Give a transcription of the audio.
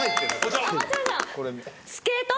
松村さん。